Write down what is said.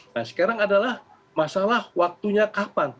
nah sekarang adalah masalah waktunya kapan